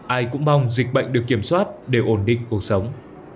ai cũng mong dịch bệnh được kiểm soát để ổn định cuộc sống